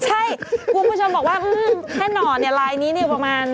ใช่กลุ่มผู้ชมบอกว่าแค่หน่อลายนี้อยู่ประมาณ๖๐๐๐๐